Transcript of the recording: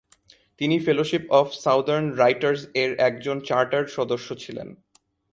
তিনি "Fellowship of Southern Writers" এর একজন চার্টার্ড সদস্য ছিলেন।